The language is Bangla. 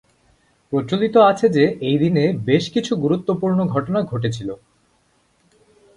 প্রচলিত আছে যে, এই দিনে বেশকিছু গুরুত্বপূর্ণ ঘটনা ঘটেছিল।